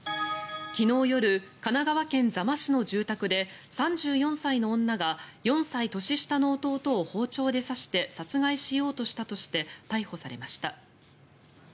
昨日夜神奈川県座間市の住宅で３４歳の女が４歳年下の弟を包丁で刺して殺害しようとしたとして逮捕されました。